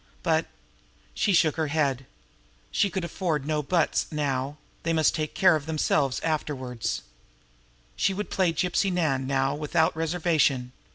But She shook her head. She could not afford "buts" now; they must take care of themselves afterwards. She would play Gypsy Nan now without reservation.